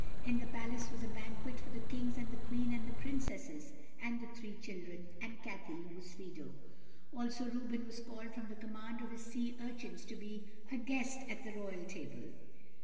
In the Palace was a banquet for the Kings and the Queen and the Princesses, and the three children, and Cathay who was Fido. Also Reuben was called from the command of his Sea Urchins to be a guest at the royal table.